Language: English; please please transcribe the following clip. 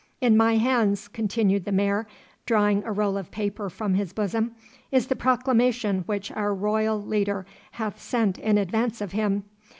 'In my hands,' continued the Mayor, drawing a roll of paper from his bosom, 'is the proclamation which our royal leader hath sent in advance of him.